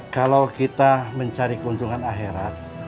kalau kita mencari keuntungan akhirat